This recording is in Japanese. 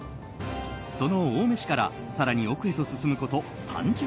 その青梅市から更に奥へと進むこと３０分。